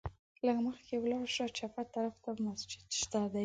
لږ مخکې ولاړ شه، چپ طرف ته مسجد شته دی.